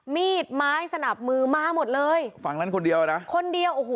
มีดไม้สนับมือมาหมดเลยฝั่งนั้นคนเดียวนะคนเดียวโอ้โห